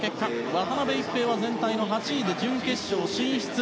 渡辺一平は全体の８位で準決勝進出。